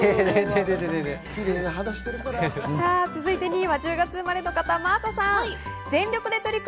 ２位は１０月生まれの方、真麻さん。